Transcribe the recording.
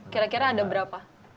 kira kira ada berapa